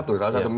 itu salah satu